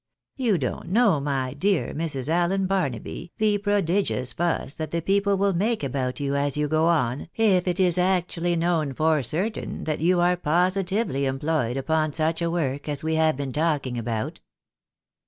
You don't know, my dear Mrs. Allen Barnaby, the prodigious fuss that the people will make about you, as you go on, if it is actually known for certain that you are positively employed upon such a work as we have been talking about."